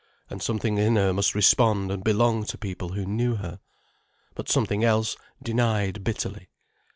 And something in her must respond and belong to people who knew her. But something else denied bitterly.